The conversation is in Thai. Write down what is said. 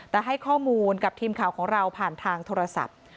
แต่ให้ข้อมูลกับทีมข่าวของเราผ่านทางโทรศัพท์